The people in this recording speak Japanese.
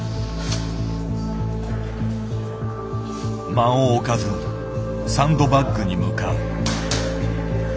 間を置かずサンドバッグに向かう。